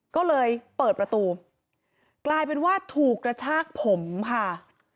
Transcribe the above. ก็เลยเปิดประตูกลายเป็นว่าถูกกระชากผมค่ะ